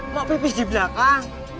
mau pipis di belakang